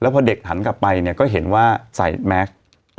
พอเด็กหันกลับไปเขาอยู่ใส่แม็กซ์